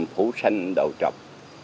phủ xanh đầu trọc